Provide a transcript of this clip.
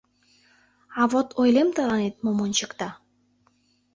— А вот ойлем тыланет, мом ончыкта.